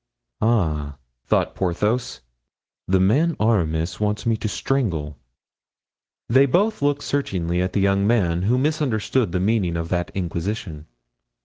"Ah!" thought Porthos, "the man Aramis wants me to strangle." They both looked searchingly at the young man, who misunderstood the meaning of that inquisition.